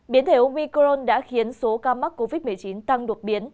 biến thể oicoron đã khiến số ca mắc covid một mươi chín tăng đột biến